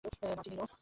না চিনি নে।